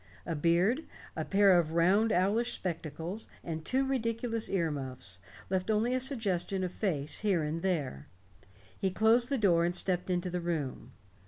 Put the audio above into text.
A beard, a pair of round owlish spectacles, and two ridiculous ear muffs, left only a suggestion of face here and there. He closed the door and stepped into the room.